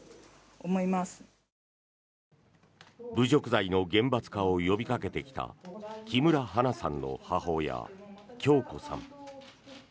侮辱罪の厳罰化を呼びかけてきた木村花さんの母親、響子さん。